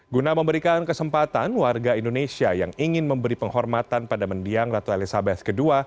guna memberikan kesempatan warga indonesia yang ingin memberi penghormatan pada mendiang ratu elizabeth ii